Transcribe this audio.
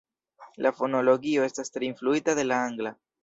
La fonologio estas tre influita de la angla.